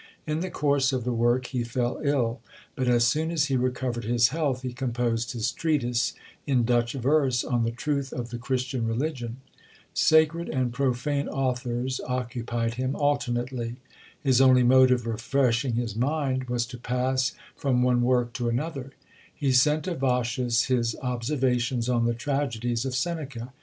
In the course of the work he fell ill; but as soon as he recovered his health, he composed his treatise, in Dutch verse, on the Truth of the Christian Religion. Sacred and profane authors occupied him alternately. His only mode of refreshing his mind was to pass from one work to another. He sent to Vossius his observations on the Tragedies of Seneca.